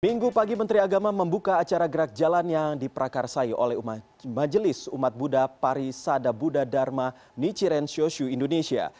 minggu pagi menteri agama membuka acara gerak jalan yang diprakarsai oleh majelis umat buddha pari sada buddha dharma nichiren shoshu indonesia